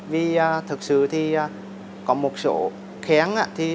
vì thực sự thì có một số khén á